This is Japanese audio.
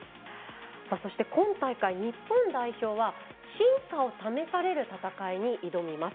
そして今大会、日本代表は真価を試される戦いに挑みます。